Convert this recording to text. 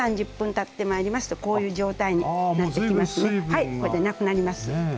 はいこれでなくなります。